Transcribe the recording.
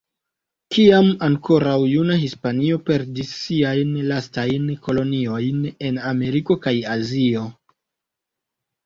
Kiam ankoraŭ juna Hispanio perdis siajn lastajn koloniojn en Ameriko kaj Azio.